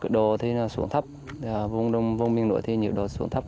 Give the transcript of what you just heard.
nhiệt độ thì xuống thấp vùng đông vùng miền nội thì nhiệt độ xuống thấp